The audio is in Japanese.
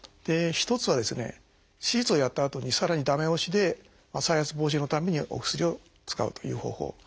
一つはですね手術をやったあとにさらに駄目押しで再発防止のためにお薬を使うという方法。